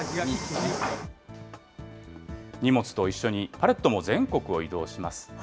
荷物と一緒にパレットも全国を移動します。